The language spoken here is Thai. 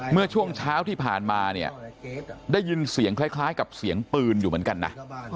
เมื่อช่วงเช้าที่ผ่านมาเนี่ยได้ยินเสียงคล้ายกับเสียงปืนอยู่เหมือนกันนะ